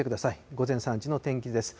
午前３時の天気図です。